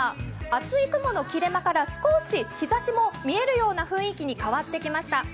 厚い雲の切れ間から少し日ざしも見えるような雰囲気に変わってきました。